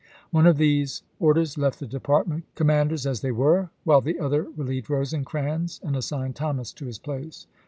One of these orders left the department commanders as they were, while the other relieved Rosecrans and assigned Thomas to his place.